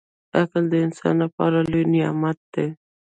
• عقل د انسان لپاره لوی نعمت دی.